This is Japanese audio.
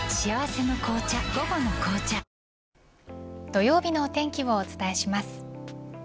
土曜日のお天気をお伝えします。